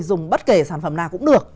dùng bất kể sản phẩm nào cũng được